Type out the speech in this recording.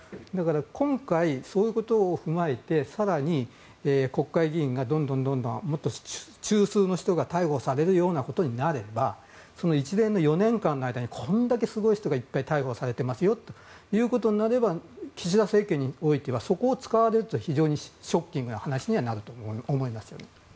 今回、そういうことを踏まえて更に国会議員の中枢の人が逮捕されるようなこといなればその一連の４年間の間にこれだけすごい人がいっぱい逮捕されてますよとなれば岸田政権においてはそこを使われると非常にショッキングな話にはなると思うんです。